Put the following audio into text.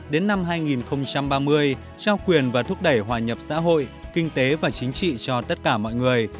một mươi hai đến năm hai nghìn ba mươi trao quyền và thúc đẩy hòa nhập xã hội kinh tế và chính trị cho tất cả mọi người